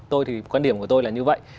tôi thì quan điểm của tôi là như vậy